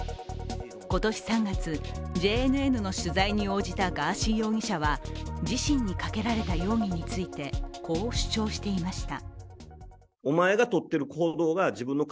今年３月、ＪＮＮの取材に応じたガーシー容疑者は自身にかけられた容疑について、こう主張していました。